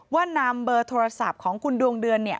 ว่านำเบอร์โทรศัพท์ของคุณดวงเดือนเนี่ย